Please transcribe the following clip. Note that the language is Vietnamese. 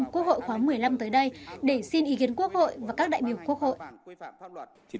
quốc hội khóa một mươi năm tới đây để xin ý kiến quốc hội và các đại biểu quốc hội